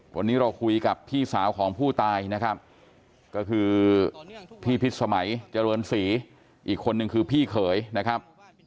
วันนี้เราคุยกับพี่สาวของผู้ตายนะครับก็คือพี่พิษสมัยเจริญศรีอีกคนนึงคือพี่เขยนะครับ